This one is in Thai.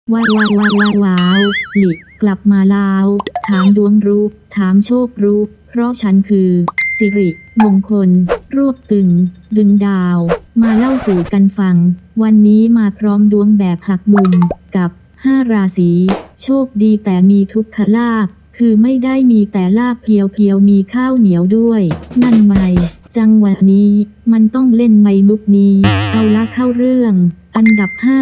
ว้าวว้าวว้าวว้าวว้าวว้าวว้าวว้าวว้าวว้าวว้าวว้าวว้าวว้าวว้าวว้าวว้าวว้าวว้าวว้าวว้าวว้าวว้าวว้าวว้าวว้าวว้าวว้าวว้าวว้าวว้าวว้าวว้าวว้าวว้าวว้าวว้าวว้าวว้าวว้าวว้าวว้าวว้าวว้าวว้า